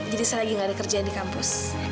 jadi saya lagi nggak ada kerjaan di kampus